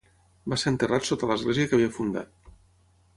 Va ser enterrat sota l'església que havia fundat.